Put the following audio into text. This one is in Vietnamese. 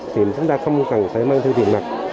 thì chúng ta không cần phải mang theo tiền mặt